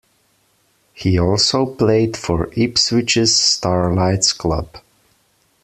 He also played for Ipswich's Starlights club.